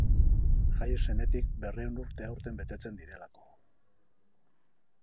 Jaio zenetik berrehun urte aurten betetzen direlako.